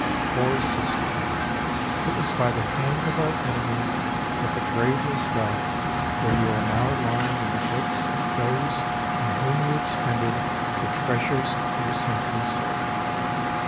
"Poor Sister! It was by the hands of our enemies that the grave was dug where you are now lying in the midst of those on whom you expended the treasures of your saintly soul.